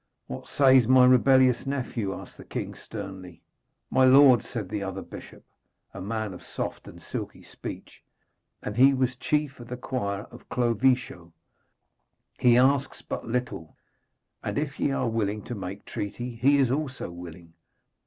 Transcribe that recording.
'What says my rebellious nephew?' asked the king sternly. 'My lord,' said the other bishop, a man of soft and silky speech, and he was chief of the choir of Clovesho, 'he asks but little, and if ye are willing to make treaty, he also is willing.